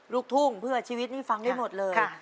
ลูกทุ่งเพื่อชีวิตนี่ฟังได้หมดเลย